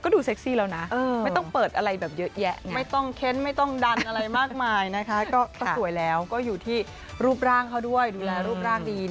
เขาแต่งเรียบไปรับรังวัล